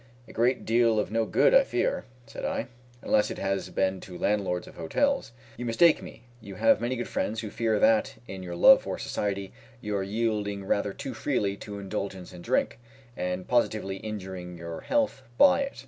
"A great deal of no good, I fear," said I, "unless it has been to landlords of hotels." "You mistake me; you have many good friends who fear that, in your love for society you are yielding rather too freely to indulgence in drink, and positively injuring your health by it.